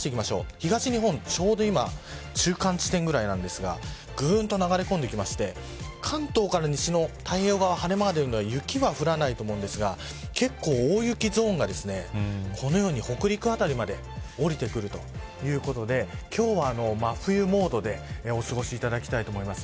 東日本、ちょうど今中間地点くらいなんですがぐっと流れ込んできて関東から西の太平洋側晴れ間が出るので雪は降らないと思いますが結構、大雪ゾーンがこのように北陸辺りまで下りてくるということで今日は真冬モードでお過ごしいただきたいと思います。